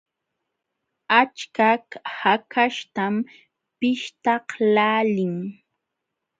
Achka hakaśhtam pishtaqlaalin.